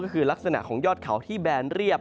ก็คือลักษณะของยอดเขาที่แบนเรียบ